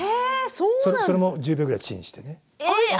それも１０秒ぐらいチンしてね。